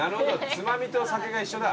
つまみと酒が一緒だ。